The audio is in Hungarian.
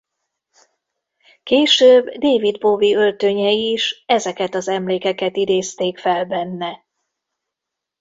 Később David Bowie öltönyei is ezeket az emlékeket idézték fel benne.